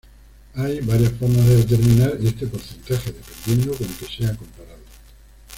Hay varias formas de determinar este porcentaje dependiendo con que sea comparado.